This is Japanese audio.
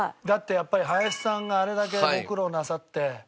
だってやっぱり林さんがあれだけご苦労なさって